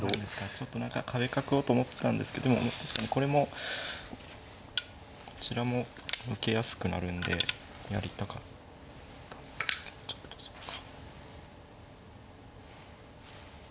ちょっと何か壁角をと思ってたんですけどでも確かにこれもこちらも受けやすくなるんでやりたかったんですけどちょっとそっか。